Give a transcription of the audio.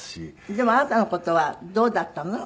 でもあなたの事はどうだったの？